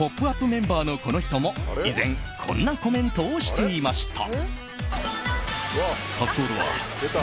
メンバーのこの人も、以前こんなコメントをしていました。